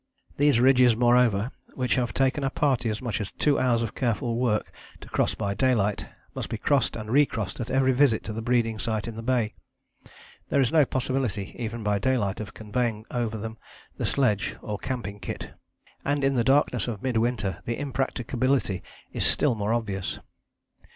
These ridges, moreover, which have taken a party as much as two hours of careful work to cross by daylight, must be crossed and re crossed at every visit to the breeding site in the bay. There is no possibility even by daylight of conveying over them the sledge or camping kit, and in the darkness of mid winter the impracticability is still more obvious.